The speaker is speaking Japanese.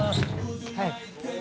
はい。